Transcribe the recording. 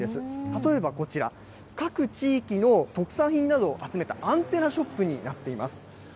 例えばこちら、各地域の特産品などを集めたアンテナショップになっています。